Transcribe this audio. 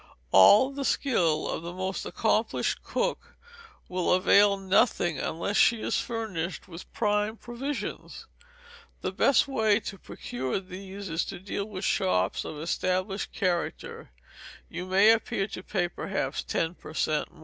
All the skill of the most accomplished cook will avail nothing unless she is furnished with prime provisions. The best way to procure these is to deal with shops of established character: you may appear to pay, perhaps, ten _per cent.